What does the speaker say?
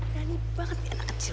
nani banget ya anak kecil